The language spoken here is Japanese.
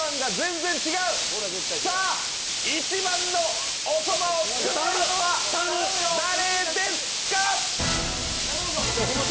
さあ、１番のおそばを作ったのは誰ですか？